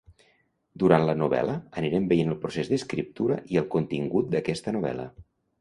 Durant la novel·la anirem veient el procés d'escriptura i el contingut d'aquesta novel·la.